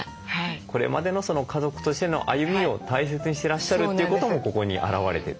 これまでの家族としての歩みを大切にしてらっしゃるということもここに表れてる。